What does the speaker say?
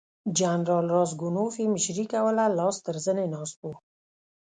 جنرال راسګونوف یې مشري کوله لاس تر زنې ناست وو.